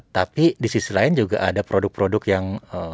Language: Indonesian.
tapi di sisi lain ada juga produk produk yang